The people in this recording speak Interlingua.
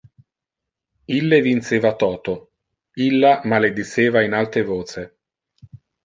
Ille vinceva toto. Illa malediceva in alte voce.